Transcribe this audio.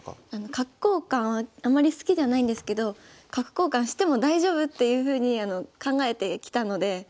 角交換はあまり好きじゃないんですけど角交換しても大丈夫っていうふうに考えてきたのでちょっとやってみました。